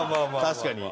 確かに。